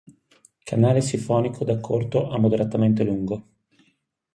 Canale sifonico da corto a moderatamente lungo.